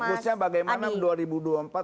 fokusnya bagaimana dua ribu dua puluh empat